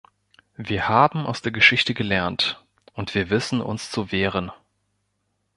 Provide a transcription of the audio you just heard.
Wir haben aus der Geschichte gelernt, und wir wissen uns zu wehren.